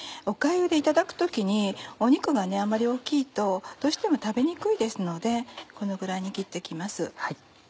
おかゆでいただく時に肉があんまり大きいとどうしても食べにくいですのでこのぐらいに切って行きます。